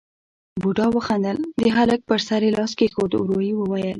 بوډا وخندل، د هلک پر سر يې لاس کېښود، ورو يې وويل: